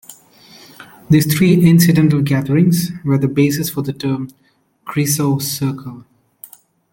These three incidental gatherings were the basis for the term "Kreisau Circle".